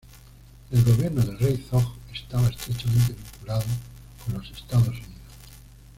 El gobierno del rey Zog estaba estrechamente vinculado con los Estados Unidos.